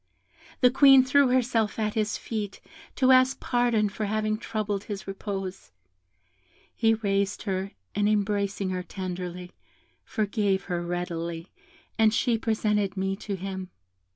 The Queen threw herself at his feet, to ask pardon for having troubled his repose. He raised her, and embracing her tenderly, forgave her readily, and she presented me to him.